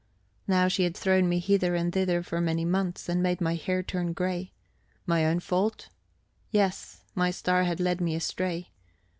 Now she had thrown me hither and thither for many months, and made my hair turn grey. My own fault? Yes, my star had led me astray.